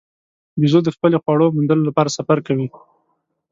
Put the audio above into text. بیزو د خپلې خواړو موندلو لپاره سفر کوي.